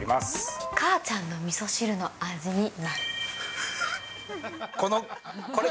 母ちゃんのみそ汁の味になる？